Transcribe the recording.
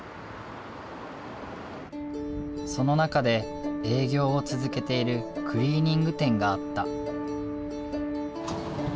その中で営業を続けているクリーニング店があった。